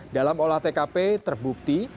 dalam olah tkp terbukti